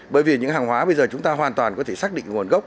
bởi vì những hàng hóa bây giờ chúng ta hoàn toàn có thể xác định nguồn gốc